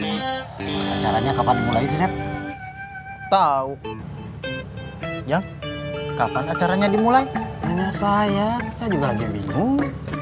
ini acaranya kapan dimulai set tahu yang kapan acaranya dimulai hanya saya saya juga lagi bingung